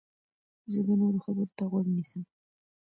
زه د نورو خبرو ته غوږ نیسم.